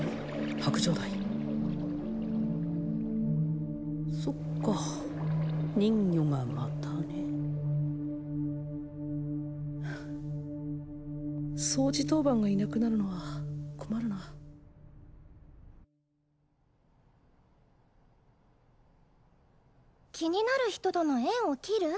白杖代そっか人魚がまたね掃除当番がいなくなるのは困るな気になる人との縁を切る？